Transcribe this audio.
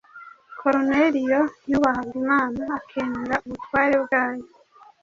Koruneliyo yubahaga Imana, akemera ubutware bwayo